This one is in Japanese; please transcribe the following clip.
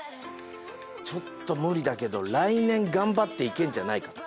ちょっと無理だけど来年頑張って行けんじゃないかとか。